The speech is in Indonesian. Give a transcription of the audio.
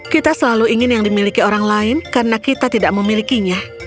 kita selalu ingin yang dimiliki orang lain karena kita tidak memilikinya